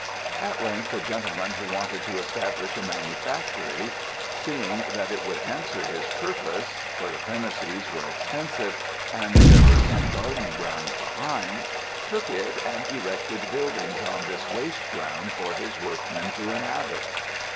"At length, a gentleman who wanted to establish a manufactory, seeing that it would answer his purpose for the premises were extensive, and there was some garden ground behind took it, and erected buildings on this waste ground for his workmen to inhabit.